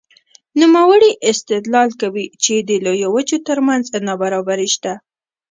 نوموړی استدلال کوي چې د لویو وچو ترمنځ نابرابري شته.